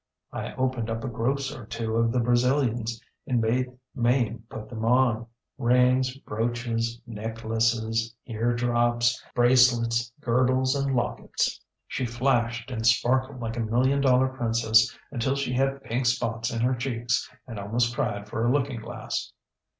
I opened up a gross or two of the Brazilians and made Mame put them onŌĆörings, brooches, necklaces, eardrops, bracelets, girdles, and lockets. She flashed and sparkled like a million dollar princess until she had pink spots in her cheeks and almost cried for a looking glass.